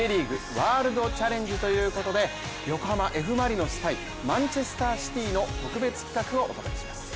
ワールドチャレンジということで横浜Ｆ・マリノス対マンチェスター・シティの特別企画をお届けします。